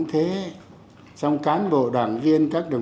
trong đảng cũng thế